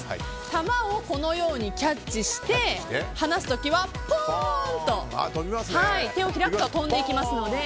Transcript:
球を、このようにキャッチして放す時はポーンと手を開くと飛んでいきます。